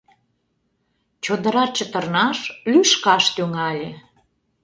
Чодыра чытырнаш, лӱшкаш тӱҥале.